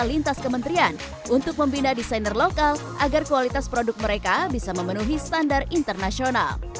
lintas kementerian untuk membina desainer lokal agar kualitas produk mereka bisa memenuhi standar internasional